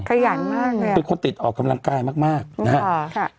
ขยันมากเลยเป็นคนติดออกกำลังกายมากมากนะฮะค่ะ